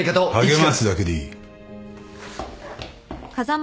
励ますだけでいい。